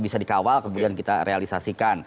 bisa dikawal kemudian kita realisasikan